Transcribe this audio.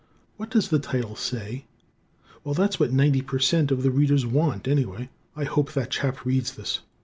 What does the title say? Well that's what 90% of the Readers want, anyway. I hope that chap reads this.